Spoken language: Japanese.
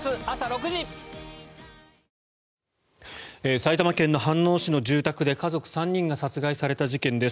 埼玉県の飯能市の住宅で家族３人が殺害された事件です。